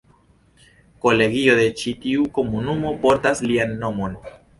Kolegio de ĉi tiu komunumo portas lian nomon.